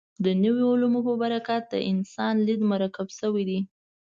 د نویو علومو په برکت د انسان لید مرکب شوی دی.